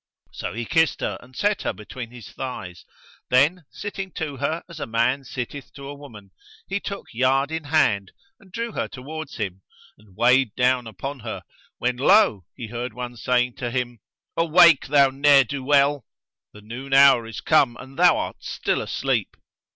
So he kissed her and set her between his thighs; then, sitting to her as a man sitteth to a woman,[FN#111] he took yard in hand and drew her towards him and weighed down upon her, when lo! he heard one saying to him, "Awake, thou ne'er do well! The noon hour is come and thou art still asleep."